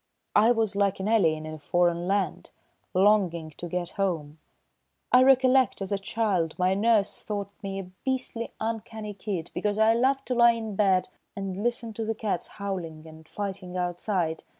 I was like an alien in a foreign land, longing to get home. I recollect, as a child, my nurse thought me a beastly uncanny kid because I loved to lie in bed and listen to the cats howling and fighting outside.